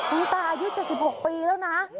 คุณตาอายุ๗๖ปีแล้วนะ